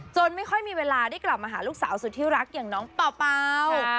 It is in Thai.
ไม่ค่อยมีเวลาได้กลับมาหาลูกสาวสุดที่รักอย่างน้องเป่า